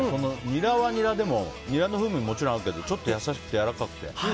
ニラはニラでもニラの風味はもちろんあるけどちょっと優しくてやわらかくて。